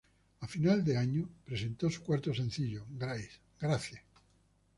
A final de año, presentó su cuarto sencillo "Grace".